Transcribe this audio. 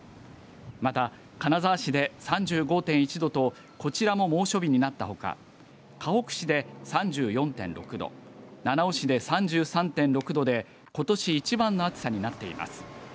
また、金沢市で３５．１度とこちらも猛暑日になったほかかほく市３４．６度七尾市で３３．６度でことし一番の暑さになっています。